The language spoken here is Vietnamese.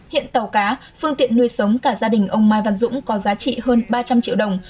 hiện tàu cá phương tiện nuôi sống cả gia đình ông mai văn dũng có giá trị hơn ba trăm linh triệu đồng